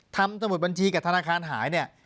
สมุดบัญชีกับธนาคารหายเนี่ย